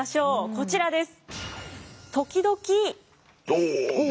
こちらです。